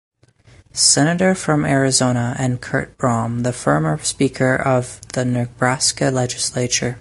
Senator from Arizona, and Curt Bromm, the former Speaker of the Nebraska Legislature.